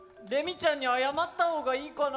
ちゃんに謝った方がいいかな？